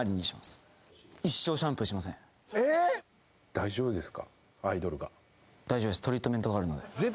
大丈夫です。